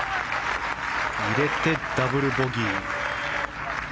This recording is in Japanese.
入れてダブルボギー。